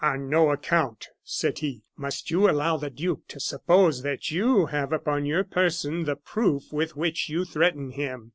"On no account," said he, "must you allow the duke to suppose that you have upon your person the proof with which you threaten him.